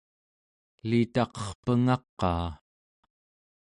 elitaqerpenga-qaa?